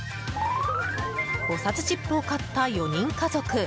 おさつチップを買った４人家族。